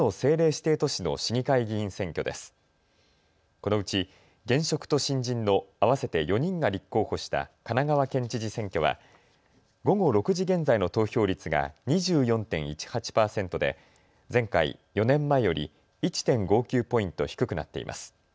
このうち現職と新人の合わせて４人が立候補した神奈川県知事選挙は午後６時現在の投票率が２４．１８％で前回・４年前より１．５９ポイント低くなっています。